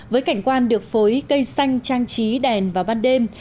với cảnh quan được phối cây xanh trang trí đèn vào ban đêm